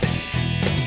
saya yang menang